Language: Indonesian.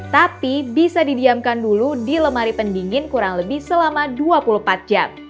tapi bisa didiamkan dulu di lemari pendingin kurang lebih selama dua puluh empat jam